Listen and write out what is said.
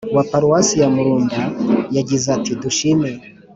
wa paruwasi ya murunda, yagize ati : dushime